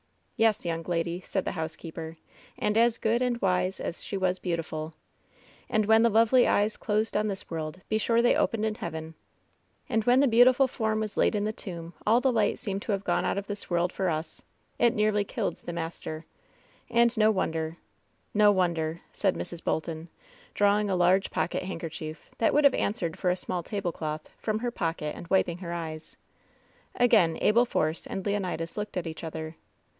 "Yes, young lady," said the housekeeper, "and as good and wise as she was beautiful. And when the lovely eyes closed on this world, be sure they opened in heaven. And when the beautiful form was laid in the tomb all LOVE'S BITTEREST CUP 237 the light seemed to have gone out of this world for us ! It nearly killed the master. And no wonder — ^no won der!'' said Mrs. Bolton, drawing a large pocket hand kerchief, that would have answered for a small table cloth, from her pocket and wiping her eyes. Again Abel Force and Leonidas looked at each other.